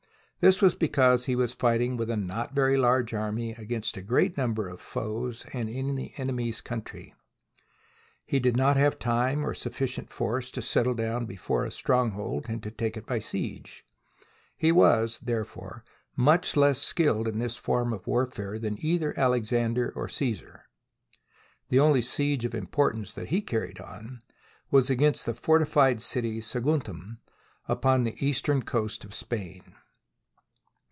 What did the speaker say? This was because he was fighting with a not very large army against a great number of foes and in the enemy's country. He did not have time or sufficient force to settle down before a stronghold and to take it by siege. He was, there in ] THE SIEGE OF SAGUNTUM fore, much less skilled in this form of warfare than either Alexander or Csesar. The only siege of im portance that he carried on was against the forti fied city, Saguntum, upon the eastern coast of Spain.